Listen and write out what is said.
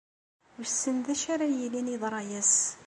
Wissen d acu ara yilin yeḍra-as.